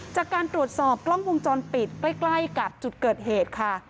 จากการตรวจสอบกล้องวงจรปิดใกล้กับจุดเกิดเหตุค่ะ